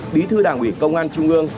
bí thư đảng ủy công an trung ương